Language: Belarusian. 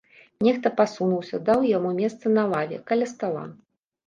Нехта пасунуўся, даў яму месца на лаве, каля стала.